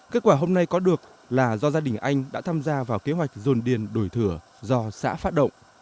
kết quả hôm nay có được là do gia đình anh đã tham gia vào kế hoạch dồn điền đổi thửa do xã phát động